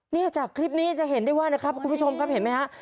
เนี่ยจากคลิปนี้จะเห็นได้ว่านะครับคุณผู้ชมครับเห็นไหมฮะ